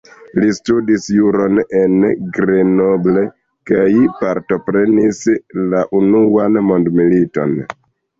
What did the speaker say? Li studis juron en Grenoble kaj partoprenis la Unuan Mondmiliton.